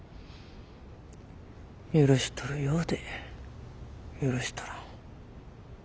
許しとるようで許しとらん。